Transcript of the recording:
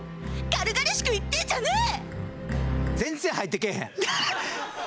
軽々しく言ってんじゃねえ！